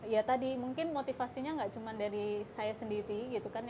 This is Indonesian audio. ya tadi mungkin motivasinya nggak cuma dari saya sendiri gitu kan